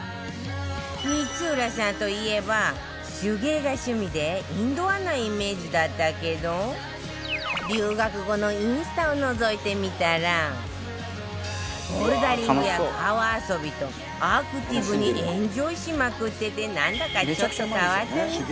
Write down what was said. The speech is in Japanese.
光浦さんといえば手芸が趣味でインドアなイメージだったけど留学後のインスタをのぞいてみたらボルダリングや川遊びとアクティブにエンジョイしまくっててなんだかちょっと変わったみたいね